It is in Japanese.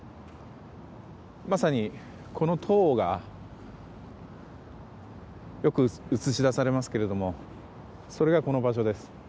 まさに、この塔がよく映し出されますけれどもそれがこの場所です。